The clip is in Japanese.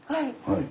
はい。